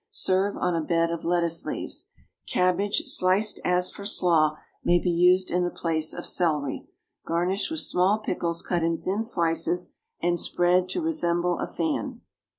Serve on a bed of lettuce leaves. Cabbage, sliced as for slaw, may be used in the place of celery. Garnish with small pickles cut in thin slices and spread to resemble a fan.